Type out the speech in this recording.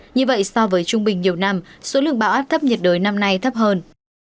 như vậy so với trung bình nhiều năm số lượng bão áp thấp nhiệt đới năm nay thấp hơn